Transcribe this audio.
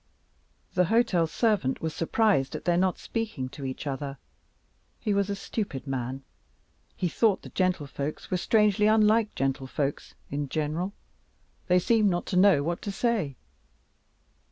The hotel servant was surprised at their not speaking to each other. He was a stupid man; he thought the gentlefolks were strangely unlike gentlefolks in general; they seemed not to know what to say.